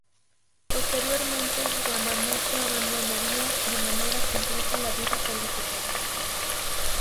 Posteriormente, Yamamoto abandonaría de manera completa la vida política.